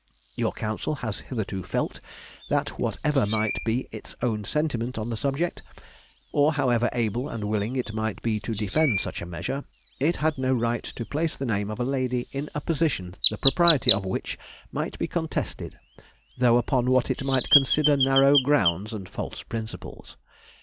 Your Council has hitherto felt that, whatever might be its own sentiment on the subject, or however able and willing it might be to defend such a measure, it had no right to place the name of a lady in a position the propriety of which might be contested, though upon what it might consider narrow grounds and false principles.